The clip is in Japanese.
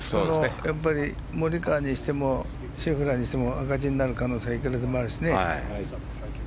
やっぱりモリカワにしてもシェフラーにしても赤字になる可能性がいくらでもあるしね。